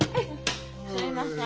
すいません。